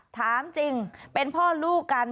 ถามจริงเป็นพ่อลูกกัน